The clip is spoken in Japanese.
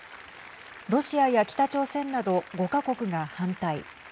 ロシアや北朝鮮など５か国が反対